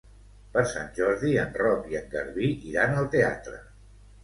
Per Sant Jordi en Roc i en Garbí iran al teatre.